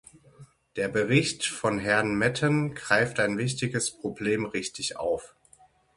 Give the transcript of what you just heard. Der Bericht von Herrn Metten greift ein wichtiges Problem richtig auf.